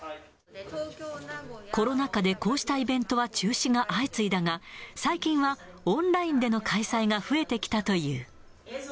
コロナ禍でこうしたイベントは中止が相次いだが、最近はオンラインでの開催が増えてきたという。